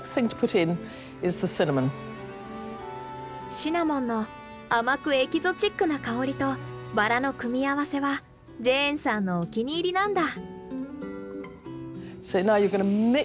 シナモンの甘くエキゾチックな香りとバラの組み合わせはジェーンさんのお気に入りなんだ。